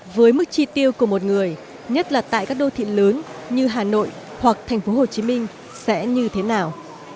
với mức chi tiêu của một người nhất là tại các đô thị lớn như hà nội hoặc thành phố hồ chí minh sẽ như thế nào